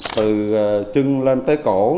từ chân lên tới cổ